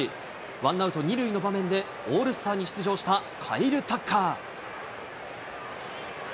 ワンアウト２塁の場面で、オールスターに出場したカイル・タッカー。